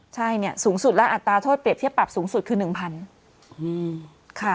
ใช่เนี่ยสูงสุดและอัตราโทษเปรียบเทียบปรับสูงสุดคือ๑๐๐ค่ะ